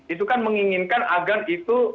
itu kan menginginkan agar itu